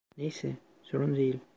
Neyse, sorun değil.